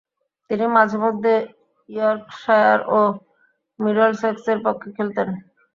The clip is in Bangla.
তিনি মাঝে-মধ্যে ইয়র্কশায়ার ও মিডলসেক্সের পক্ষে খেলতেন।